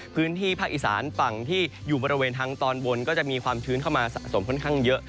พื้นที่ภาคอีสานฝั่งที่อยู่บริเวณทางตอนบนก็จะมีความชื้นเข้ามาสะสมค่อนข้างเยอะ